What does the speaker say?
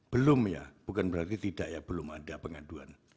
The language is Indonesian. belum ya bukan berarti tidak ya belum ada pengaduan